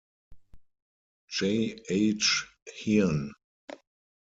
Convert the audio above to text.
J. H. Hearn.